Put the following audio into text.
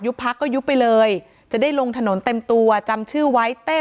พักก็ยุบไปเลยจะได้ลงถนนเต็มตัวจำชื่อไว้เต้